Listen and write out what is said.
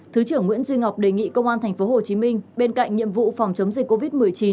thứ trưởng nguyễn duy ngọc đề nghị công an tp hcm bên cạnh nhiệm vụ phòng chống dịch covid một mươi chín